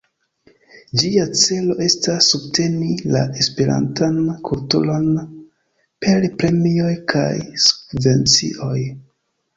Ĝia celo estas subteni la esperantan kulturon per premioj kaj subvencioj.